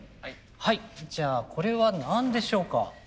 はいじゃあこれは何でしょうか？